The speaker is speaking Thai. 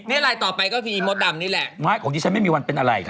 นี่ลายต่อไปก็คืออีมดดำนี่แหละไม้ของดิฉันไม่มีวันเป็นอะไรค่ะ